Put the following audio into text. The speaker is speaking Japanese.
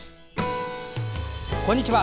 こんにちは。